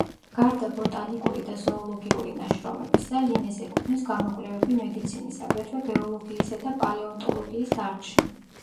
გარდა ბოტანიკური და ზოოლოგიური ნაშრომებისა, ლინეს ეკუთვნის გამოკვლევები მედიცინის, აგრეთვე გეოლოგიისა და პალეონტოლოგიის დარგში.